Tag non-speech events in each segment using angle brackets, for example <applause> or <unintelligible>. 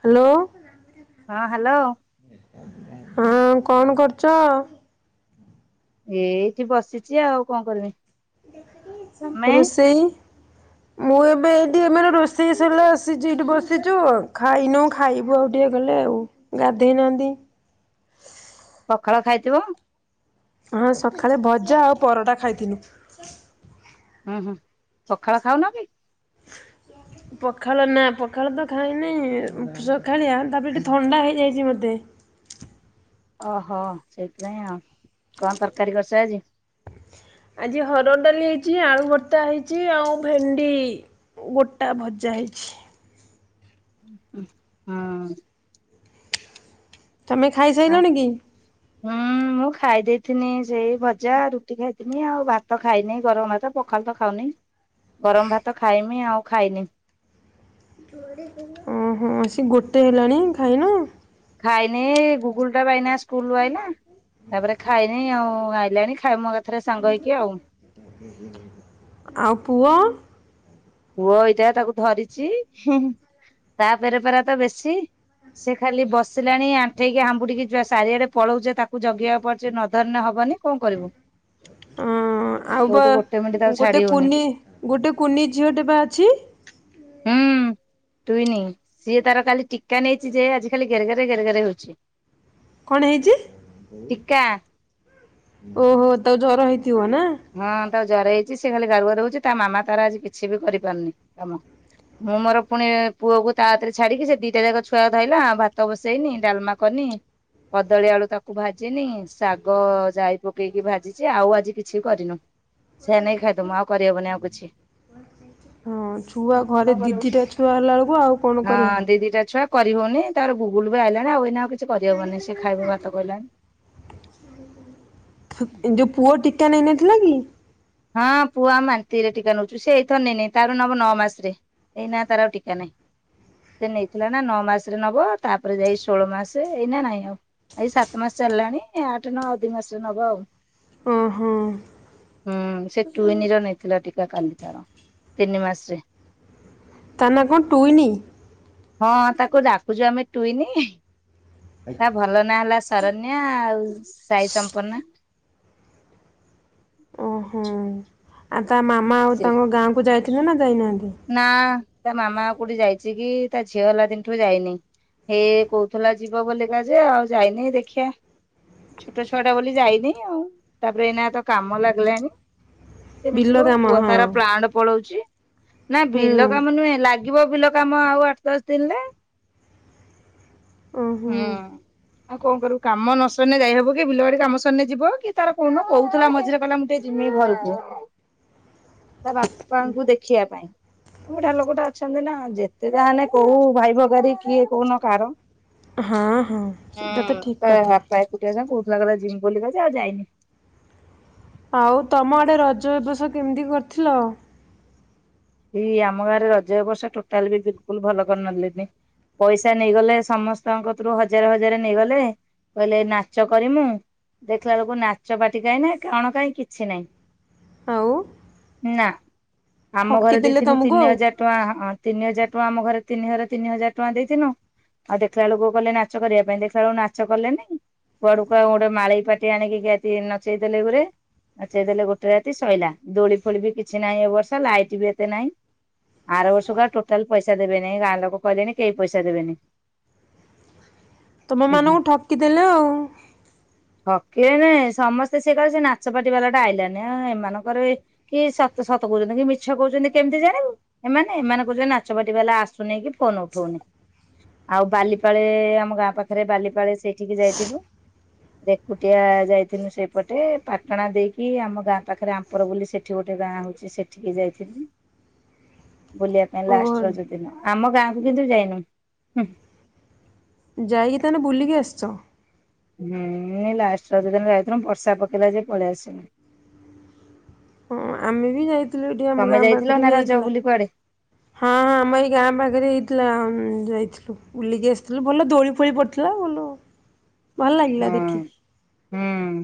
Hello. ହଁ hello. ହଁ କଣ କରୁଛ? ଏଇଠି ବସିଛି ଆଉ କଣ କରିବି? ତମେ ରୋଷେଇ? ମୁଁ ଏବେ ଏଇଠି ଏମ ରୋଷେଇ ସରିଲା ଆସିଛି ଏଇଠି ବସିଛୁ। ଆଉ ଖାଇନୁ ଖାଇବୁ ଆଉ ଟିକେ ଗଲେ ଆଉ। ଗାଧେଇ ନାନ୍ତି। ପଖାଳ ଖାଇଥିବ? ହଁ ସକାଳେ ଭଜା ଆଉ ପରଟା ଖାଇଥିଲୁ। ହୁଁ ହୁଁ ପଖାଳ ଖାଉନ କି? ଓକ <unintelligible> ପଖାଳ ନା ପଖାଳ ତ ଖାଇନହିଁ ସଖାଳିଆ। ତାପରେ ଟିକେ ଥଣ୍ଡା ହେଇଯାଇଛି ମତେ। ଓହୋ ସେଇଥିପାଇଁ ଆଉ କଣ ତରକାରୀ କରିଛ ଆଜି? ଆଜି ହରଡ଼ ଡାଲି ହେଇଛି, ଆଳୁ ଭର୍ତ୍ତା ହେଇଛି, ଆଉ ଭେଣ୍ଡି। ଗୋଟା ଭଜା ହେଇଛି। ହଁ ହୁଁ। ହଁ ତୁମେ ଖାଇସାରିଲଣି କି? ହୁଁ ମୁଁ ଖାଇଦେଇଥିଲି ସେଇ ଭଜା, ରୁଟି ଖାଇଥିଲି, ଆଉ ଭାତ ଖାଇନି ଗରମ ଭାତ। ପଖାଲ ତ ଖାଉନି ଗରମ ଭାତ ଖାଇମି ଆଉ ଖାଇନି। ଓହୋ ସେ ଗୋଟେ ହେଲାଣି ଖାଇନ। ଖାଇନି ଗୁଗୁଲ ଟା ବାଇନା ସ୍କୁଲ ଆଇଲା। ତାପରେ ଖାଇନି ଆଉ ଆଇଲାଣି ଖାଇ ମୋ କଥାରେ ସାଙ୍ଗ ହେଇକି ଆଉ। ଆଉ ପୁଅ। ପୁଅ ଏଇଟା ତାକୁ ଧରିଛି ତାପରେ ପରା ତ ବେଶୀ। ସେ ଖାଲି ବସିଲାଣି, ଆଣ୍ଠେଇକି ଆମ୍ବୁଡିକି, ଯିବା ସାରିଆଡେ ପଳଉଛେ ତାକୁ ଜଗେଇବାକୁ ପଡଚେ ନ ଧର ନେ ହବନି। କଣ କରିବୁ? ଅଁ ଆଉ ବା କୋଉଠି ଗୋଟେ ମିନିଟ୍ ଆଉ ଗୋଟେ ଛାଡି ହଉନି? କୁନି ଗୋଟେ କୁନି ଝିଅ ଟେ ବା ଅଛି। ହଁ। ତୁଇନି, ସିଏ ତାର ଖାଲି ଟୀକା ନେଇଛି ଯେ ଆଜି ଖାଲି ଘେରଗେରେ ଘେରଘେରେ ହେଉଛି। କଣ ହେଇଛି? ଟୀକା ଓହୋ ତା ଜର ହେଇଥିବ ନା। ହଁ, ତା ଜରେ ହେଇଛି ସେ ଖାଲି ଗାରୁ ଗାରୁ ହଉଛି। ତା ମାମା ତାର ଆଜି କିଛି ବି କରିପାରୁନି କାମ। ମୁଁ ମୋର ପୁଣି ପୁଅକୁ ତା କତିରେ ଛାଡିକି ସେ ଦିଟା ଯାକ ଛୁଆ ଧୋଇଲା ଭାତ ବସେଇଲି ଡାଲମା- କଲି। କଦଳୀ ଆଳୁ ତାକୁ ଭାଜିଲି ଶାଗ ଜାଇ ପକେଇକି ଭାଜିଛି ଆଉ ଆଜି କିଛି କିଛି କରିନୁ। ସେ ନେଇ ଖାଇଦବୁ ଆଉ କରିହବନି ଆଉ କିଛି। ହଁ, ଛୁଆ ଘରେ କଣ ଦି କରିବୁ? ଦି ଟା ଛୁଆ ହେଲା ବେଳକୁ ଆଉ କଣ କରିବୁ? ହଁ ଦି ଦିଟା ଛୁଆ କରିହବନି, ତର ଗୁଗୁଲ ବି ଆଇିଲଲାଣି, ଆଉ ଏଇନା ଆଉ କିଛି କରିହବନି, ସେ ଖାଇବ ଭାତ କହିଲାଣି। ଯୋଉ ପୁଅ ଟୀକା ନେଇନଥିଲା କି? ହଁ, ପୁଅ ମାନ୍ତିରେ ଟୀକା ନେଉଛୁ। ସେ ଏଇଥର ନେଇନି ତାର ନବ ନଅ ମାସରେ। ଏଇ ନା ତାର ଆଉ ଟିକା ନାହିଁ। ସେ ନେଇଥିଲା ନା ନଅ ମାସରେ ନବ, ତାପରେ ଯାଇ ଷୋହଳ ମାସ ଏଇନା ନାଇଁ ଆଉ। ଏଇ ସାତ ମାସ ଚାଲିଲାଣି, ଆଠ, ନଅ, ଦୁଇ ମାସରେ ନେବ ଆଉ। ଓ ହୋ। ହୁଁ ସେ ଟୁଇନିର ନେଇଥିଲା ଟୀକା କାଲି ତାର ତିନି ମାସରେ। ତା ନା କଣ ଟୁଇନି? ହଁ ତାକୁ ଡାକୁଛୁ ଆମେ ଟୁଇନି। ତା <unintelligible> ଭଲ ନା ହେଲା ସରନ୍ୟା ସାଇ ସମ୍ପୋନା। ଓହୋ ତା ମାମା ଆଉ ତାଙ୍କ ଗାଁ ଯାଇଥିଲେ ନା ଯାଇ ନାହାନ୍ତି? ନା ତା ମାମା ଆଉ କୋଉଠି ଯାଇଛି କି ତା ଝିଅ ହେଲା ଦିନଠୁ ଯାଇନି। ହେ କହୁଥିଲା ଯିବ ବୋଲି ଏକା ଯେ ଆଉ ଯାଇନି ଦେଖିବା। ଛୋଟ ଛୁଆ ଟା ବୋଲି ଯାଇନି, ଆଉ ତା ପରେ ଏଇନା କାମ ଲାଗିଲାଣି। କେମିତି ବିଲ ଯିବ କାମ ପୁଅ ହଁ ତାର ପ୍ଲାଣ୍ଟ ପଳଉଛି। ନାଇ ହୁଁ ବିଲ କାମ ନୁହେଁ ଲାଗିବ ବିଲ କାମ ଆଉ ଆଠ ଦଶ ଦିନରେ। ଓହୋ। ହୁଁ। ଆଉ କଣ କରିବୁ କାମ ନ ସରିଲେ ଯାଇହେବ କି ବିଲ ବାଡ଼ି କାମ ସରିଲେ ଯିବ କି ତାର କହୁନ କହୁଥିଲା ମଝିରେ କହିଲା ମୁଁ ଟିକେ <unintelligible> <unintelligible> ତା ବାପାଙ୍କୁ ଦେଖିବା ପାଇଁ। ବୁଢ଼ା ଲୋକ ଟା ଅଛନ୍ତି ନା ଯେତେ ଯାହା ହେଲେ କୋଉ ଭାଇ ଭୋଗାରି କିଏ କହୁନ କିଏ କାହାର। ହଁ ହଁ ହେଁ ସେଇଟା ତ ଠିକ୍ ତା କଥା। ବାପା ଏକୁଟିଆ ଯାହା କହୁଥିଲା ଯିବି ବୋଲି କା ଯେ ଆଉ ଯାଇନି। ଆଉ ତମ ଆଡ଼େ ରଜ ଏ ବର୍ଷ କେମିତି କରିଥିଲ? ଏଇ ଆମ ଗାଁରେ ରଜ ଏ ବର୍ଷ ଟୋଟାଲ ବି ବିଲକୁଲ ଭଲ କରି ନ ଥିଲେ। ପଇସା ନେଇଗଲେ ସମସ୍ତଙ୍କ ହାତରୁ ହଜାରେ ହଜାରେ ନେଇ ଗଲେ। କହିଲେ ନାଚ କରିମୁ। ଦେଖିଲା ବେଳକୁ ନାଚ ପାଟି କାଇଁ ନାଇ କଣ ପାଇଁ କିଛି ନାହିଁ। <unintelligible> ନା। ଆମ ଠକି ଘରେ ଦେଲେ ଦେଇଥିଲୁ ତମକୁ ତିନି ଆଉ। ହଜାର ଟଙ୍କା ତିନି ହଜାର ଟଙ୍କା ଆମ ଘରେ ତିନି ହଜାର ତିନି ହଜାର ଟଙ୍କା ଦେଇ ଥିନୁ। ଆଉ ଦେଖିଲା ବେଳକୁ କହିଲେ ନାଚ କରିବା ପାଇଁ ଦେଖିଲା ବେଳକୁ ନାଚ କଲେନି। କୁଆଡୁ କୁଆଡୁ ଗୋଟେ ମାଳେଇ ପାଟି ଆଣିକି <unintelligible> ନଚେଇ ଦେଲେ ପରେ। ନଚେଇ ଦେଲେ ଗୋଟେ ରାତି ଶଇଲା ଦୋଳି ଫୁଳି ବି କିଛି ନାଇଁ ଏ ବର୍ଷ ଲାଇଟ ବି ବି ନାଇ ଆର ବର୍ଷ କୁ ଆଉ ଟୋଟାଲ ପଇସା ଦେବେ ନାଇ ଗାଁ ଲୋକେ କହିଲେଣି କେହି ପଇସା ଦେବେନି। ତମ ମାନଙ୍କୁ ଠକି ଦେଲେ ଆଉ। ଠକିବେନି ସମସ୍ତେ ସେଇଟା କୁ ସେ ନାଚପାଟି ବାଲା ଟା ଆଇଲାନି ଏମାନଙ୍କର ଏଇ କିଏ ସତ ସତ କହୁଛନ୍ତି କି ମିଛ କହୁଛନ୍ତି, କେମିତି ଜାଣିବୁ ଏମାନେ। ଏମାନେ କହୁଛନ୍ତି ନାଚ ବାଲି ବାଲା ଆସୁନାଇ କି ଫୋନ ଉଠଉନି। ଆଉ ବାଲିପାଳେ ଆମ ଗାଁ ପାଖରେ ବାଲିପାଳେ ସେଇଠି କି ଯାଇଥିଲୁ। ଏକୁଟିଆ ଯାଇଥିଲୁ ସେପଟେ ପାଟନା ଦେଇକି ଆମ ଗାଁ ପାଖରେ ଆମ ଉପର ବୋଲି ସେଠେ ଗୋଟେ ଗାଁ ଅଛି ସେଠିକି ଯାଇ ଥିଲି। ବୁଲିବା ପାଇଁ ଓହୋ ଲାଷ୍ଟ ର ଯୋଉ ଦିନ ଆମ ଗାଁ କିନ୍ତୁ ଯାଇନୁ। ଯାଇକି ତା ହେଲେ ବୁଲିକି ଆସିଛ। ହୁଁ, ଲାଷ୍ଟ ର ଯୋଉ ଦିନ ଯାଇଥିଲୁ ବର୍ଷା ପକେଇଲା ଯେ ପଲେଇ ଆସିଲୁ। ହଁ ଆମେ ବି ଯାଇଥିଲୁ ଏଠି ଆମ ତମେ ଗାଁ ଯାଇଥିଲ ପାଖରେ ନା ବି ରଜ ହେଇଥିଲା ବୁଲି କୁଆଡେ <inaudible> ହାଁ। ଆମରି ଗାଁ ପାଖରେ ହେଇଥିଲା। ଯାଇଥିଲୁ, ବୁଲିକି ଆସିଥିଲୁ ଭଲ ଦୋଳି ଫୋଳି ପଡ଼ିଥିଲା ଭଲ। ଭଲ ଲାଗିଲା ହଁ ଦେଖିକି। ହୁଁ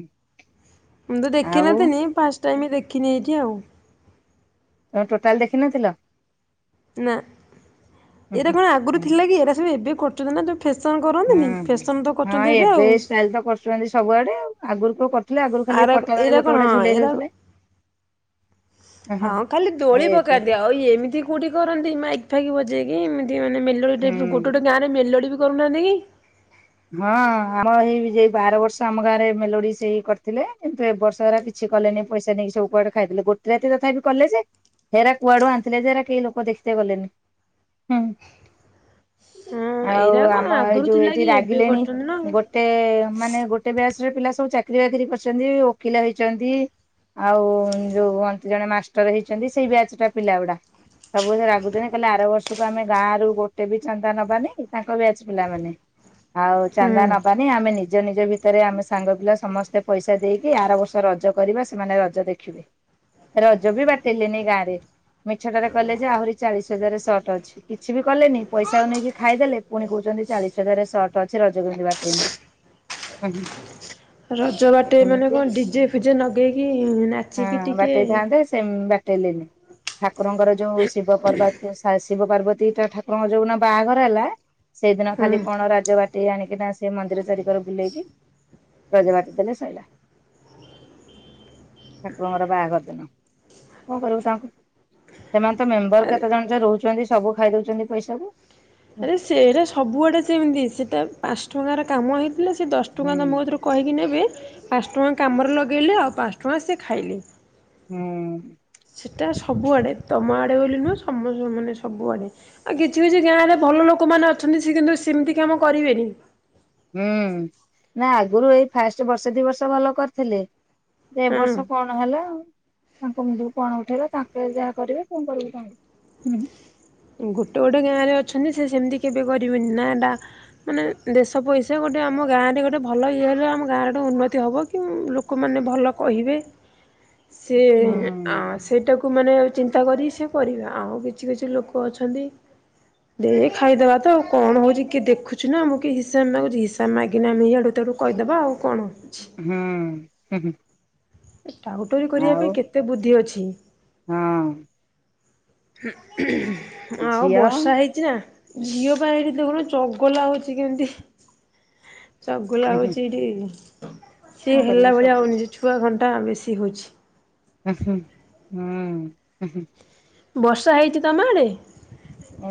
ମୁଁ ତ ଦେଖି ନ ଆଉ ଥିଲି ଫାର୍ଷ୍ଟ ଟାଇମ ଦେଖିଲି ଏଇଠେ ଆଉ। ତମେ ଟୋଟାଲ ଦେଖି ନ ଥିଲ? ନା ହୁଁ ଏଇଟା କଣ ଆଗରୁ ଥିଲା କି ଏଇଟା ସବୁ ଏବେ କରିଛନ୍ତି ନା ଫ୍ୟାସନ କରନ୍ତିନି ହୁଁ ଫ୍ୟାସନ୍ ତ ହଁ କରଛନ୍ତି ଏବେ ଆଉ। ଷ୍ଟାଇଲ ତ କରୁଛନ୍ତି ସବୁ ଆଡ଼େ ଆଉ ଆଗରୁ କୋଉ କରୁ ଥିଲେ ଆଗରୁ ଖାଲି ଏଇ ଆର ପଟିଆ ତଳେ ଏଇଟା ଗୋଟେ କଣ ଗୋଟେ ହଁ ଝୁଲେଇ ଦେଉ ଏଇଟା ଥିଲେ। ହୁଁ ହୁଁ ଏଇ ଏବେ। ହୋଇଏ ଏମିତି କୋଉଟେ କରନ୍ତି ମାଇକ୍ ଫାଇକ୍ ବୋଜେଇକି ଏମିତି ମାନେ ମେଲୋଡି ଟାଇପର ବଜେଇକି ଗୋଟେ ହୁଁ ଗୋଟେ ଗାଁ ରେ ମେଲୋଡି ବି କରୁନାହାନ୍ତି। ହଁ ଆମ ଏଇ ଯ ବାର ବର୍ଷ ଆମ ଗାଁରେ ମେଲୋଡି ସେଇ କରିଥିଲେ କିନ୍ତୁ ଏ ବର୍ଷ ଧାରା କିଛି କିଛି କଲେନି ପଇସା ନେଇକି ସବୁଆେ ଖାଇଦଲେ ଗୋଟେ ରାତି ତଥାପି କଲେ ଯେ ହେରା କୁଆଡୁ ଆଣିିଲଥିଲେ ଯେେରା କେହି ଲୋକ ଦେଖିେ ଗଲେନି। ହୁଁ <unintelligible> ହଁ ଆଉ ଏଇଟା କଣ ଆମ ଏଇ ଆଗରୁ ଯୋଉ ଥିଲା କି ଏଇଠି ଏବେ ରାଗିଲେଣି କରୁଛନ୍ତି ନା ଆଉ। ଗୋଟେ ଗୋଟେ ମାନେ ଗୋଟେ ବ୍ୟାସରେ ପିଲା ସବୁ ଚାକିରରି ବାକିରି କରିଛନ୍ତି ଓକିଲ ହେଇଛନ୍ତି। ଆଉ ଯୋଉ ଜଣେ ମାଷ୍ଟର ହେଇଛନ୍ତି ସେଇ ବ୍ୟାଚ ଟା ପିଲା ଗୁଡା। ସବୁ ରାଗୁଛନ୍ତି କହିଲଲେ ଆର ବର୍ଷକୁ ଆମେ ଗାଁ ରରୁ ଗୋଟେ ବି ଛନ୍ଦା ନବାନି ତାଙ୍କ ବି ଅଛି ପିଲାମାନେେ ହଉ ହୁଁ ଚନ୍ଦ ନବା। ଆମେ ନିଜ ନିଜ ଭିତରେ ଆମେ ସାଙ୍ଗ ପିଲା ସମସ୍ତେ ପଇସା ଦେଇକି ଆର ବର୍ଷ ରଜ କରିବା ସେମାନେ ରଜ ଦେଖ ଦେଖିବେ ରଜ ବି ବାଟିଲେନି ଗାଁରେ। ମିଛଟାାରେ କହଲେ ଯେ ଆହୁରି ଚାଳିଶ ହଜାର ସଟ ଅଛି କିଛି ବି କଲେନି ପଇସାକୁ ନେଇକି ଖାଇଦେଲେ। ପୁଣି କହୁଛନ୍ତି, ଚାଳିଶ ହଜାରରେ ସର୍ଟ ଅଛି ରଜକୁ ଯିବା ଟାଇମ୍ଁ। ରଜ ବାଟେ ମାନେ କଣ ଡିଜେ ଫିଜେ ଲଗେଇକି ହଁ ନାଚିକି ଟିକେ ବାଟେଇଥାନ୍ତେ ସେ ବାଟେଇଲିନି ଠାକୁରଙ୍କର ଯୋଉ ଶିବ ପର୍ବତୀୟ ଶିବ ପାର୍ବତୀ ଟ ଠାକୁରଙ୍କ ଯୋଉିନ ବାହାଘର ହେଲା, ସେଇଦିନ ହୁଁ ଖାଲି କଣ ପଜ ବାଟଟି ଆଣିକି ନା ସେ ମନ୍ଦିର ଚାରିକର ବଲେଇକି ରଜ ବାତି ଦେଲେ ସରଲାା ଠାକୁରଙ୍କର ବାହାଘର ଦିନ। କଣ କରିବୁ ତାଙ୍କୁ ସେମାନେ ତ ମେମ୍ବର କେତେ ଜଣ ଯଉ ରହୁଛନ୍ତି ସବୁ ଖାଇ ଦଉଛନ୍ତି ପଇସା କୁ। ଆରେ ସେଇଟା ସବୁଆଡେ ଯେମିତି ସେଇଟା ପାଞ୍ଚ ଟଙ୍କାର କାମ ହେଇଥିଲା ସେ ଦଶ ଟଙ୍କା ତମରେ କହିକି ନେବେ ପାଞ୍ଚ ଟଙ୍କା କାମରେ ଲଗାଇଲେ ଆଉ ପାଞ୍ଚ ଟଙ୍କା ସେ ଖାଇଲେ ହୁଁ। ସେଇଟା ସବୁଆଡ଼େ, ତମ ଆଡ଼େ ବୋଲି ନୁହେଁ ସମ ମାନେ ସବୁଆଡ଼େ। ଆଉ କିଛି କିଛି ଗାଁ ରେ ଭଲ ଲୋକମାନୋନ ଅଛନ୍ତି, ସେ କିନ୍ତୁ ସେମିତି କାମ କରିବେନି। ହୁଁ ନା ଆଗରୁ ଏଇ ଫାଷ୍ଟ ବର୍ଷ ଦି ବର୍ଷ ଭଲ କରିଥିଲେ। ଦେଢ ହଁ ବର୍ଷ କଣ ହେଲା ଆଉ ତାଙ୍କ ମୁଣ୍ଡୁ କଣ ଉଠେଇଲା ତାଙ୍କେ ଯାହା କରିବେ କଣ କରିବୁ ତାଙ୍କୁ ଗୋଟେ ଗୋଟେ ଗାଁରେ ଅଛନ୍ତି ସେ ସେମିତି କେବେ କରିବେନି ନା ଏଟା ମାନେ ଦେଶ ପଇସା ଗୋଟେ ଆମ ଗାଁରେ ଗୋଟେ ଭଲ ଇଏ ହେଲେ ଆମ ଗାଁରେ ଗୋେ ଉନ୍ନତି ହେବ କି ଲୋକ ଲୋକମାନେ ଭଲ କହିବେ? ସିଏ ଆ ସେଇଟାକୁ ମାନେ ଚିନ୍ତା କରି ସି କରିବା ଆଉ କିଛି କିଛି ଲୋ କ ଅଛନ୍ତି। ଦେ ଖାଇଦବା ତ ଆଉ କଣ ହଉଛି କିଏ ଦେଖୁଛି ନା ମୁଁ କିଏ ହିସାବ ମାଗୁଛିି ତା ମାଗିନା ଆମେ ଇଆଡ଼ୁ ତଡ଼ୁ କହିଦେବା ଆଉ କଣ ଅଛି ହଁ ଉ ହୁ ଏ ଟାଉଟରୀ କରିବା ପାଇଁ କେତେ ବୁଦ୍ଧି ଅଛି ହଁ ଆଉ ଝିଅ ବର୍ଷା ହେଇଛି ନା? ଝିଅ ପା ଏଠି ଦେଖୁନୁ ଚଗଲା ହଉଛି କେମିତି ଚଗୁଲା ହେଉଛି ଏଇଠି ସିଏ କଣ କରିବୁ ହେଲା ଭଳିଆ ସବୁ। ହେଉନି ସେ ଛୁଆ ଘଣ୍ଟା ବେଶୀ ହେଉଛି ଉ ହୁ ହ ହୁଁ ବର୍ଷା ହେଇଛି ତମ ଆଡ଼େ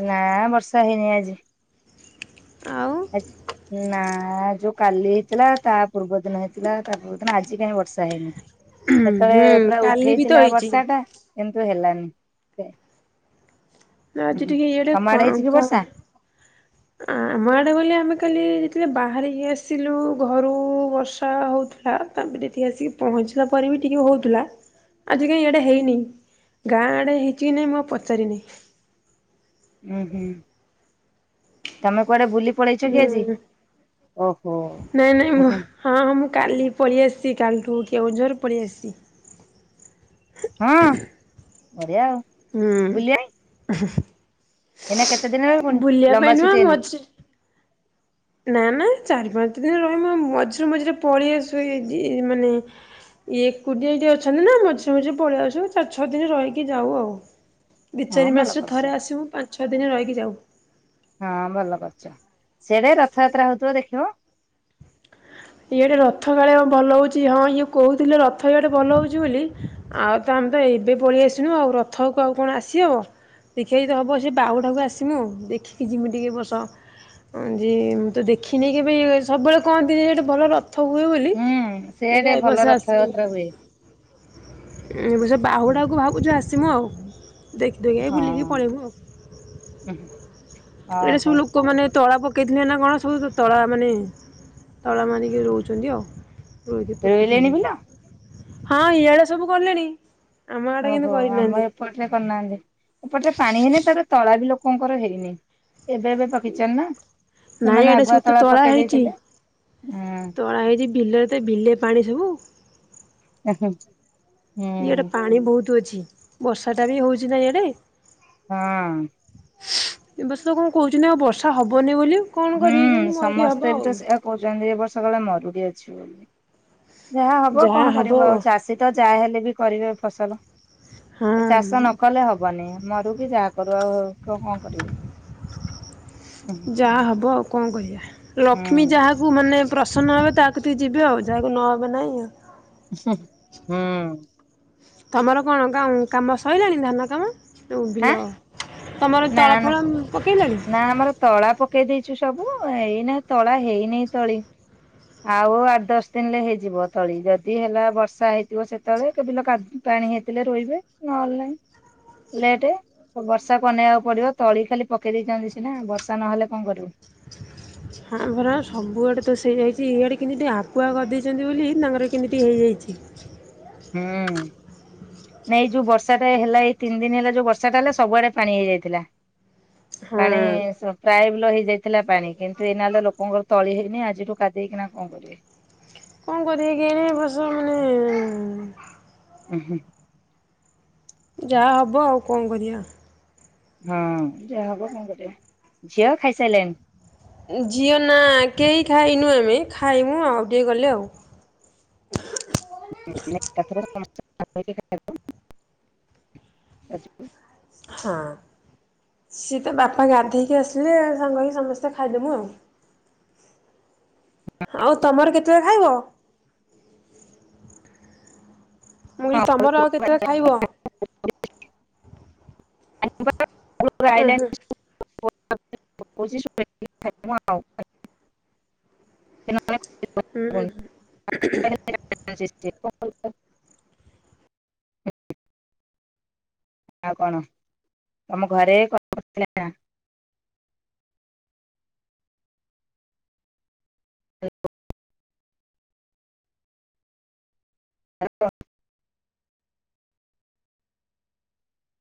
ନା ବର୍ଷା ହେଇନି ଆଜି ଆଉ ନା ଯୋଉ କାଲି ହେ ଇଥିଲା ତା ପୂର୍ବ ଦିନ ହେଇଥିଲା ତା ପୂର୍ବ ଦିନ ଆଜି କାହିଁ ବର୍ଷା ହେଇନି ହୁଁ ସେତେବେଳେ ପୁରା କାଲି ବି ତ ଉଠେଇଥିଲା ହେଇଛି ବର୍ଷା ଟା କିନ୍ତୁ ହେଲାନି ସେ ଆଜି ଟିକେ ଇଆଡ଼େ ତମ ଆଡେ କଣ ହେଇଛି କି କଣ ବର୍ଷା ଆମ ଆଡେ ଗଲେ ଆମେ କାଲି ଯେତେବେଳେ ବାହାରିକି ଆସିଲୁ ଘରୁ ବର୍ଷା ହଉଥିଲୁ ହ ତାପରେ ଏଠି ଆସିକି ପହଞ୍ଚିଲା ପରେ ବି ଟିକେ ହେଉଥିଲା ଆଜି କାଇଁ ଏଇଡେ ହେଇନି ଗାଁଆଡେ ହେଇଛି କି ନାଇଁ ମୁଁ ଆଉ ପଚାରିନି। ହୁଁ ହୁଁ। ତମେ କୁଆଡେ ବୁଲି ପଳେଇଛ କି ଆଜି ମୁଁ ଓହୋ ନାଇଁ ନାଇଁ ଉ ମୁଁ ହୁ ହଁ ହଁ ମୁଁ କାଲି ପଳେଇଆସିଛି କାଲିଠୁ କେଉଁଝର ପଳେଇଆସିଛି। ହଁ ବଢିଆ ଆଉ ହୁଁ ବୁଲିବା ଏଇନା କେତେ ଦିନ ପୁଣି ବୁଲିବା ଲମ୍ବା ପାଇଁ ନୁହ ଛୁଟି ଏଇନା। ମଝ ନା ନା ଚାରି ପାଞ୍ଚ ଦିନ ରହିମୁ ମୁ ମଝିରେ ମଝିରେ ପଳେଇ ଆସୁ ଏଇ ଡି ମାନେ ଇଏ ଏକୁଟିଆ ଏଇଠି ଅଛନ୍ତି ନା ମଝିରେ ମଝିରେ ପଳେଇଆ ଆସିବ ଚାରି ଛଅ ଦିନ ରହିକି ଯାଉ ଆଉ- ଦି ହଁ ଚାରି ଭଲ ମାସରେ କରିଛ ଥରେ ଆସିବୁ ପାଞ୍ଚ ଛଅ ଦିନରେ ରହିକି ଯାଉ- ହଁ ଭଲ କରୁଛ ସେଆଡେ ରଥଯାତ୍ରା ହଉଥିବ ଦେଖିବ। ଇଆଡେ ରଥ କାଳେ ଭଲ ହଉଛି ହଁ ଇଏ କହୁଥିଲେ ରଥ ଇଆଡେ ଭଲ ହଉଛି ବୋଲି। ଆଉ ତ ଆମେ ତ ଏବେ ପଳେଇଆସିନୁ ଆଉ ରଥକୁ ଆଉ କଣ ଆସିହବ। ଦେଖିବା ଯଦି ହେବ ସେ ବାହୁଡ଼ାକୁ ଆସିମୁ ଦେଖିକି ଯିମି ଟିକେ ଏବର୍ଷ - ଯେ ମୁଁ ତ ଦେଖିନି କେବେ ସବୁବେଳେ କହନ୍ତି ଯେ ଏଟେ ଭଲ ର ଥ ହୁଏ ହୁଁ ସେଆଡେ ବୋଲିଦେଖିଆ ଭଲ ଏବର୍ଷ ଆସିିମି- ରଥଯାତ୍ରା ହୁଏ। ଉ ଏ ବର୍ଷ ବାହୁଡାକୁ ଭାବୁଛୁ ଆସିମୁ ଆଉ ଦେଖିଦେଖି ବୁଲିକି ହଁ ପଳେଇବୁ ଆଉ ଏଟା ସବୁ ଲୋ ଓହୋ ଲୋକ ମାନେ ତଳା ପକେଇଥିଲେ ନା କଣ ସବୁ ତଳା ମାନେ ତଳା ମାରିକି ରଉଚନ୍ତି ଆଉ ରୋଇକି ରୁଇଲେଣି ପୋତୁଛନ୍ତି। ବିଲ? ହଁ ଇଆଡେ ସବୁ କଲେଣି। ଆମ ଆଡେ କିନ୍ତୁ ଓହୋ ଆମର କରିନାହାନ୍ତି। ଏପଟରେ କରିନାହାନ୍ତି ଏପଟରେ ପାଣି ହେଇନି ତାପରେ ତଳା ବି ଲୋକଙ୍କର ହେଇନି। ଏବେଏବେ ପକେଇଚନ୍ତି ନା ନାଇଁ ସେମାନେ ଏୟାଡେ ସବୁ ଆଗୁଆ ତ ତଳା ପକେଇ ହେଇଛି ଦେଇଥିଲେ ହୁଁ। ତଳା ହେଇଛି ବିଲରେ ତ ବିଲେ ପାଣି ସବୁ। ଓହୋ ଇଆଡ଼େ ପାଣି ବହୁତ ଅଛି ବର୍ଷାଟା ବି ହେଉଛି ନା ଇଆଡ଼େ। ହଁ ଏ ବର୍ଷ କଁ କହୁଚନ୍ତି ଆଉ ବର୍ଷା ହବନି ବୋଲି କଣ କରିବେ ହୁଁ କେଜାଣି ମରୁଡି ହବ ସମସ୍ତେ ବି ଆଉ। ତ ସେ କହୁଚନ୍ତି ଏ ବର୍ଷ କାଳେ ମରୁଡି ଅଛିି ବୋଲି ଯାହା ହବ କଣ କରିବୁ ଆଉ ଚାଷୀ ତ ଯାହା ହେଲେ ବି କରିବେ ଫସଲ ହଁ ଏ ଚାଷ ନ କଲେ ହ ବନି ମରୁଡି ଯାହା କରୁ ଆଉ କ କଣ କରିବେ ଯାହା ହବ ଆଉ କଁ କରିବା ଲକ୍ଷ୍ମୀ ହୁଁ ଯାହା କୁ ମାନେ ପ୍ରସନ୍ନ ହେବେ ତା କତିକି ଯିବେ ଆଉ ଯାହାକୁ ନ ହେବେ ନାଇଁ ଆଉ <inaudible> ହଁ। ତମର କଣ କା କାମ ସଇଲାଣି ଧାନ କାମ ଯୋଉ ବିଲ ତମର ନା ତଳ ନା ଫଳମ୍ ପକେଇଲଣି? ନା ଆମର ତଳା ପକେଇ ଦେଇଚୁ ସବୁ ଏଇନା ତଳା ହେଇନି ତଳି ଆଉ ଆଠ୍ ଦଶ୍ ଦିନରେ ହେଇଯିବ ତଳି ଯଦି ହେଲା ବର୍ଷା ହେଇଥିବ ସେତବେଳେ ତ ବିଲ କାଦ୍ ପାଣି ହେଇଥିଲେ ରୋଇବେ ନହେଲେ ନାଇ ଲେଟେ ବର୍ଷାକୁ ଅନେଇବାକୁ ପଡିବ ତଳି ଖାଲି ପକେଇ ଦେଇଚନ୍ତି ସିନା ବର୍ଷା ନହେଲେ କଁ କରିବୁ। ହାଁ ଭରା ସବୁଆଡ଼େ ତ ସେଇ ଯାଇଚି ଇଆଡ଼େ କେମିତି ଆଗୁଆ କରିଦେଇଚନ୍ତି ବୋଲି ତାଙ୍କର କେମିତି ହେଇଯାଇଚି। ହୁଁ। ନାଇଁ ଏ ଯୋଉ ବର୍ଷାଟା ହେଲା ଏଇ ତିନି ଦିନି ହେଲା ଯୋଉ ବର୍ଷାଟା ହେଲା ସବୁଆଡେ ପାଣି ହେଇଯାଇଥିଲା। ହଁ ପାଣି ସ ପ୍ରାୟ ବିଲ ହେଇଯାଇ ଥିଲା ପାଣି କିନ୍ତୁ ଏଇନା ତ ଲୋକଙ୍କର ତଳି ହେଇନି ଆଜିଠୁ କାଦେଇ କିନା କଁ କରିବେ। କଁ କରିବେ କେଇଆଣି ଏବର୍ଷ ମାନେ ଉଁ ହୁଁ। ଯା ହବ ଆଉ କଁ କରିଆ। ହଁ ଯା ହବ କଁ କରିଆ ଝିଅ ଖାଇ ସାଇଲାଣି? ଝିଅ ନା କେଇ ଖାଇନୁ ଆମେ ଖାଇ ମୁ ଆଉ ଟିକେ ଗଲେ ଆଉ <inaudible> ଆ <inaudible> ହଁ। ସିଏ ତା ବାପା ଗାଧେଇକି ଆସିବେ ସାଙ୍ଗ ହେଇକି ସମସ୍ତେ ଖାଇଦବୁଁ ଆଉ। ଆଉ ତମର କେତବେଳେ ଖାଇବ? ମୁଁଇ ତମର ଆଉ କେତବେଳେ ଖାଇବ? ଆ ଉଁ ହୁଁ <inaudible> <inaudible> ଖାଇବୁ ଆଉ ଖାଇବୁ। ହୁଁ। <inaudible> ଆଉ କଣ ତମ ଘରେ <inaudible> କଣଥିଲା ନା ଆ <inaudible>